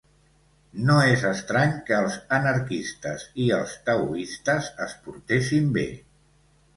No és estrany que els anarquistes i els taoistes es portessin bé.